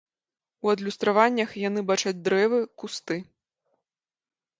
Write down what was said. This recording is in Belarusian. У адлюстраваннях яны бачаць дрэвы, кусты.